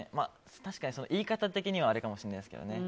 確かに言い方的にはあれかもしれないですけどね。